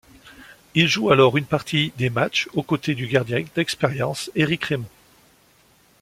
Il joue alors une partie des matchs aux côtés du gardien d'expérience Éric Raymond.